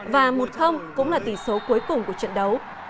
và một cũng là tỷ số cuối cùng của trận đấu